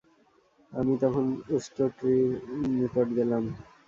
আমি তখন উষ্ট্রটির নিকট গেলাম।